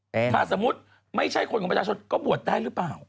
ถ้าสมมุติไม่ใช่คนของประชาชนก็บวชได้หรือเปล่า